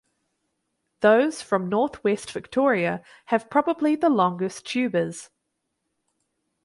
Those from northwest Victoria have probably the longest tubers.